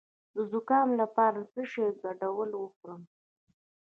د زکام لپاره د څه شي ګډول وخورم؟